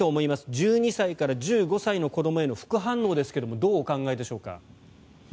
１２歳から１５歳の子どもへの副反応ですがどうお考えでしょうか。